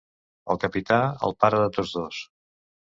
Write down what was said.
El capità, el pare de tots dos.